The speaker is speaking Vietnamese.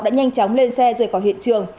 nhanh chóng lên xe rời khỏi hiện trường